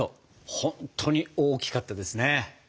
ほんとに大きかったですね。